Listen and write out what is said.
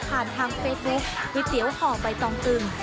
ผ่านทางเฟซเวอร์เตี๋ยวห่อใบต่องตึง